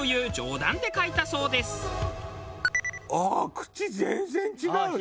口全然違うね。